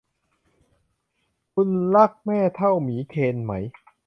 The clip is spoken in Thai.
คุณรักแม่เท่าหมีเคนไหม